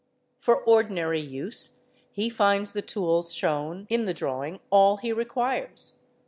For ordinary use he finds the tools shewn in the drawing all he : requires.